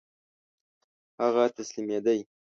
هغه تسلیمېدی.